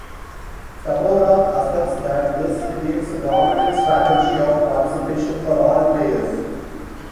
Tabarrok asserts that this creates a dominant strategy of participation for all players.